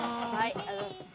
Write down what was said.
ありがとうございます。